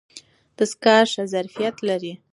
دستګاه ښه ظرفیت لري.